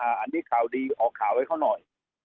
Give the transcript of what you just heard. อันนี้ข่าวดีออกข่าวให้เขาหน่อย